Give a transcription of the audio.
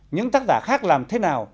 những tác giả khác làm thế nào